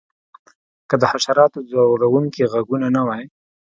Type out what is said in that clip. که د حشراتو ځورونکي غږونه نه وی